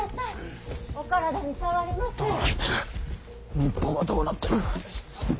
日本はどうなってる？